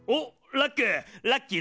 ラックラッキーだ。